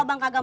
eh jangan gun